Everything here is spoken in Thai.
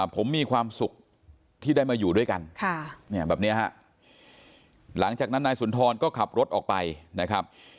ผมมีความสุขที่ได้มาอยู่ด้วยกันแบบนี้ฮะหลังจากนั้นนายสุนทรก็ขับรถออกไปนะครับ